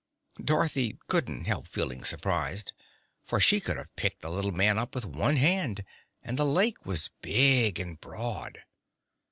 Dorothy couldn't help feeling surprised, for she could have picked the little man up with one hand, and the lake was big and broad.